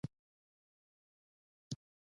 چې څنگه به يې په اسلامي جذبه پر کفارو حملې کولې.